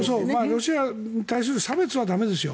ロシアに対する差別は駄目ですよ。